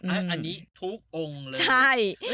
อันนี้ทุกองค์เลยใช่